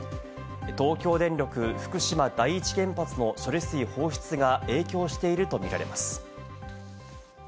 東京電力・福島第一原発の処理水放出が影響していると見られます。